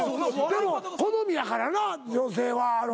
でも好みやからな女性は男の。